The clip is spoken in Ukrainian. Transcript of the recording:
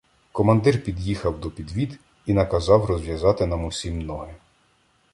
Командир під'їхав до підвід і наказав розв'язати нам усім ноги.